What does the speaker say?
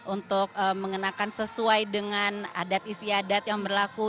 untuk mengenakan sesuai dengan adat istiadat yang berlaku